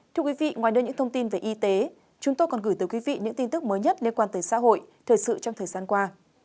thưa quý vị ngoài đưa những thông tin về y tế chúng tôi còn gửi tới quý vị những tin tức mới nhất liên quan tới xã hội thời sự trong thời gian qua